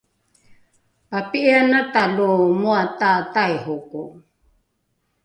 papi’ianata lo moata taihoko?